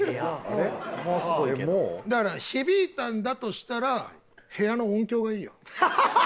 だから響いたんだとしたら部屋の音響がいいよ。